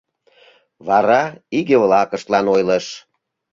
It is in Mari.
Вара иге-влакыштлан ойлыш: